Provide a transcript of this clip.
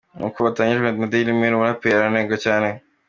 Nkuko byatangajwe na dailymail, uyu muraperi aranengwa cyane.